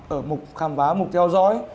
ở mục khám phá mục theo dõi